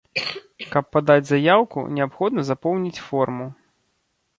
Каб падаць заяўку, неабходна запоўніць форму.